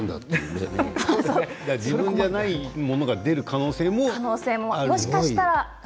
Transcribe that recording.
自分じゃないものが出る可能性もあると。